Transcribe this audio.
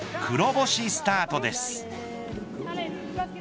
黒星スタートです。